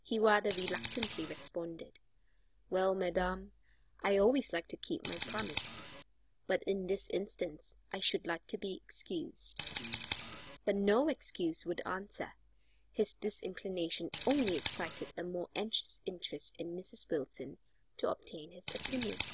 He rather reluctantly responded, "Well, madam, I always like to keep my promise, but in this instance I should like to be excused." But no excuse would answer; his disinclination only excited a more anxious interest in Mrs. Wilson to obtain his opinion.